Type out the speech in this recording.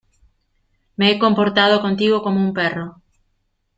me he comportado contigo como un perro.